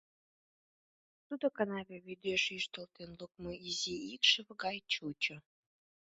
Тудо канаве вӱдеш йӱштылтен лукмо изи икшыве гай чучо.